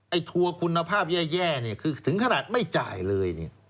ไอ้ทัวร์คุณภาพแย่ถึงขนาดไม่จ่ายเลย